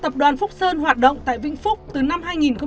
tập đoàn phúc sơn hoạt động tại vĩnh phúc từ năm hai nghìn bốn